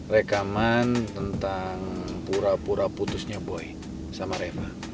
rekaman tentang pura pura putusnya boy sama reva